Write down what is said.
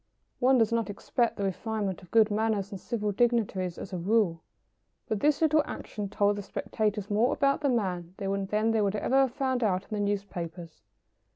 One does not expect the refinement of good manners from civic dignitaries, as a rule, but this little action told the spectators more about the man than they would ever have found out in the newspapers.